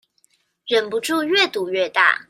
忍不住越賭越大